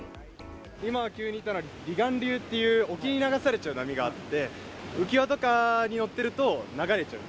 今、急に行ったのは離岸流っていう、沖に流されちゃう波があって、浮き輪とかに乗ってると流れちゃう。